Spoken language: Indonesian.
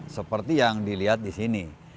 seperti yang dilihat di sini